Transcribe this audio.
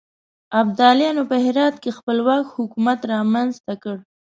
ابدالیانو په هرات کې خپلواک حکومت رامنځته کړ.